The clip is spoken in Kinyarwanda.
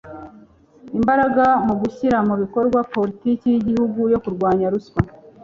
imbaraga mu gushyira mu bikorwa politiki y igihugu yo kurwanya ruswa